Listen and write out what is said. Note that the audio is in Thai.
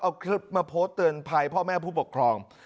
เอาคลิปมาโพสต์เตือนภัยพ่อแม่ผู้ปกครอง